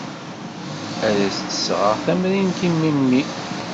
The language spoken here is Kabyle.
Ad as-d-sɣeɣ tamrint i memmi.